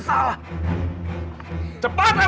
sudah dulu mesti kau datang kemaren